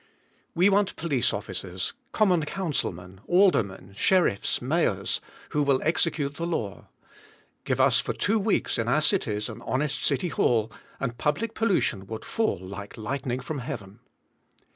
We want police officers, common councilmen, aldermen, sheriffs, mayors, who will execute the law. Give us for two weeks in our cities an honest city hall, and public pollution would fall like lightning from heaven!